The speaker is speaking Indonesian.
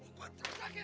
buka terus lagi